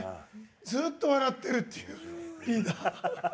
ずっと笑ってるっていう。